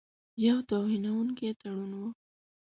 یو توهینونکی تړون وو.